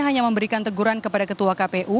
hanya memberikan teguran kepada ketua kpu